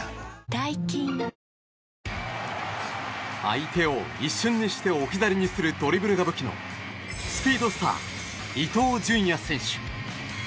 相手を一瞬にして置き去りにするドリブルが武器のスピードスター、伊東純也選手。